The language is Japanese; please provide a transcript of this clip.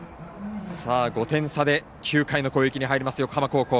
５点差で９回の攻撃に入ります横浜高校。